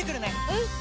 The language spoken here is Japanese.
うん！